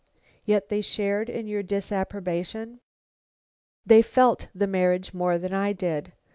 "Yet they shared in your disapprobation?" "They felt the marriage more than I did.